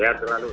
ya terima kasih